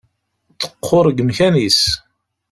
Teqqur deg umkan-is.